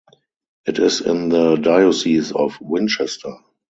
It is in the Diocese of Winchester.